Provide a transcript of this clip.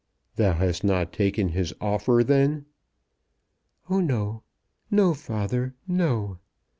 "Thou hast not taken his offer then?" "Oh, no! No, father, no.